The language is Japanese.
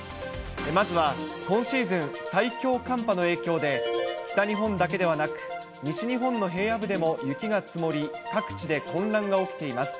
まずは今シーズン最強寒波の影響で北日本だけではなく、西日本の平野部でも雪が積もり、各地で混乱が起きています。